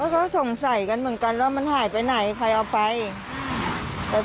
ก็สงสัยกันเหมือนกันว่ามันหายไปไหนใครเอาไปแต่